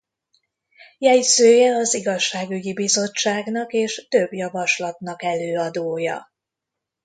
Jegyzője az igazságügyi bizottságnak és több javaslatnak előadója.